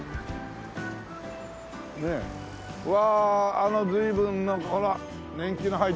わああの随分なんかほら年季の入った。